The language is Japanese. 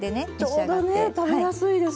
ちょうどね食べやすいです。